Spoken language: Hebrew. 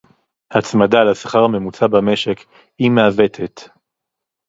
הצמדה לשכר הממוצע במשק היא מעוותת